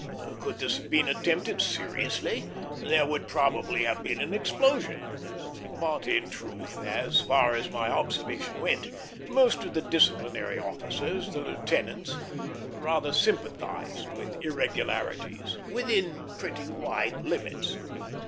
Could this have been attempted seriously, there would probably have been an explosion; but in truth, as far as my observation went, most of the disciplinary officers, the lieutenants, rather sympathized with irregularities, within pretty wide limits.